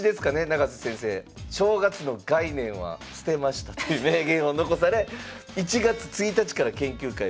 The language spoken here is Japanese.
永瀬先生「正月の概念は捨てました」という名言を残され１月１日から研究会をされてると。